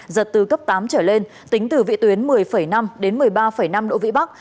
giật từ cấp tám trở lên tính từ vị tuyến một mươi năm đến một mươi ba năm độ vĩ bắc